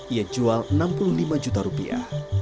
ia jual enam puluh lima juta rupiah